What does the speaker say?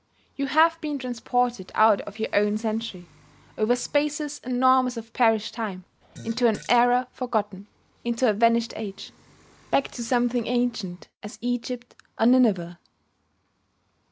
You have been transported out of your own century over spaces enormous of perished time into an era forgotten, into a vanished age, back to something ancient as Egypt or Nineveh.